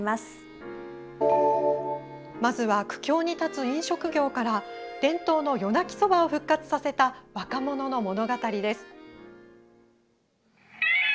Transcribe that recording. まずは苦境に立つ飲食業から伝統の夜鳴きそばを復活させた若者の物語です。